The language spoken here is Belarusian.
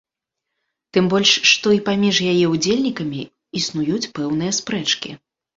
Тым больш, што і паміж яе ўдзельнікамі існуюць пэўныя спрэчкі.